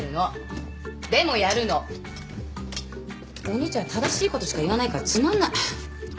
お兄ちゃん正しいことしか言わないからつまんない。